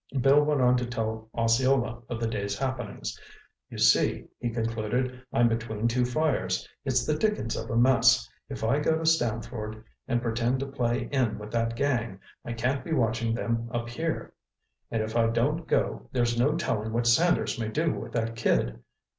Bill went on to tell Osceola of the day's happenings. "You see," he concluded, "I'm between two fires. It's the dickens of a mess. If I go to Stamford, and pretend to play in with that gang, I can't be watching them up here—and if I don't go there's no telling what Sanders may do with that kid.